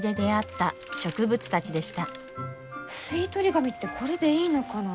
吸い取り紙ってこれでいいのかな？